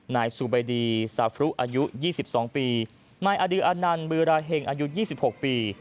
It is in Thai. นายสุบายดีทรัฟลูกอายุ๒๒ปีเลยอดิเชิงอายุ๒๖ปี